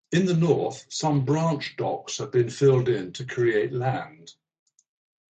In the north, some branch docks have been filled in to create land.